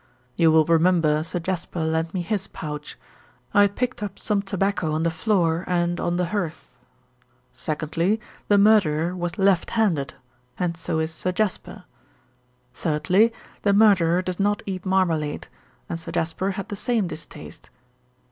"You will remember Sir Jasper lent me his pouch. I had picked up some tobacco on the floor and on the hearth. "Secondly, the murderer was left handed, and so is Sir Jasper. "Thirdly, the murderer does not eat marmalade and Sir Jasper had the same distaste."